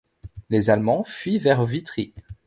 Les Allemands fuient vers Witry.